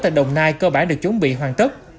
tại đồng nai cơ bản được chuẩn bị hoàn tất